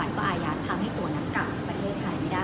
ทำให้ตัวนักกลับประเทศไทยไม่ได้